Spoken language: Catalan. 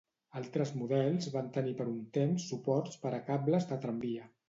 Altres models van tenir per un temps suports per a cables de tramvia.